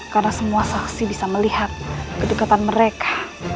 karena semua saksi bisa melihat kedekatan mereka